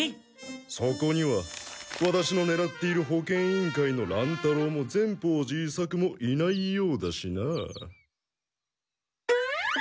そこにはワタシのねらっている保健委員会の乱太郎も善法寺伊作もいないようだしな。